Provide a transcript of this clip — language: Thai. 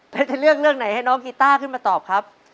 แล้วจะเลือกเรื่องไหนให้น้องกีต้าขึ้นมาตอบครับ